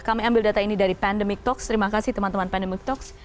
kami ambil data ini dari pandemic talks terima kasih teman teman pandemic talks